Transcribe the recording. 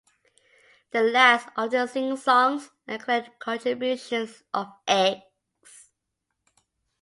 The lads often sing songs and collect contributions of eggs.